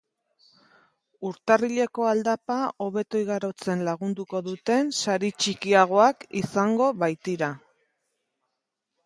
Urtarrileko aldapa hobeto igarotzen lagunduko duten sari txikiagoak izango baitira.